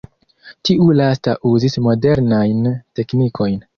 Tiu lasta uzis modernajn teknikojn.